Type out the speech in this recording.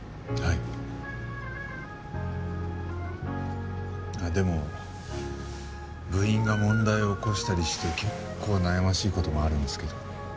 あっでも部員が問題起こしたりして結構悩ましい事もあるんですけど。